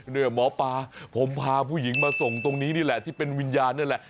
เนี่ยหมอปลาผมพาผู้หญิงมาส่งตรงนี้นี่แหละที่เป็นวิญญาณนี่แหละ